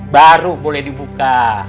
baru boleh dibuka